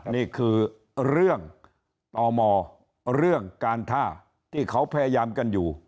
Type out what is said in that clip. นี่คือเรื่องต่อมอเรื่องการท่าที่เขาพยายามกันอยู่